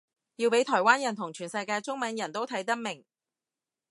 要畀台灣人同全世界中文人都睇得明